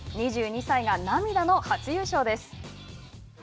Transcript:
２２歳が涙の初優勝です。